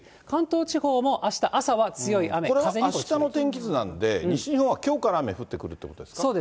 関東地方もあした朝は強い雨、風これはあしたのてんきずなんで西日本はきょうから雨、降ってくるということですか。